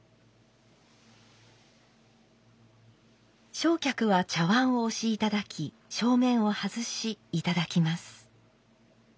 正客は茶碗をおしいただき正面を外しいただきます。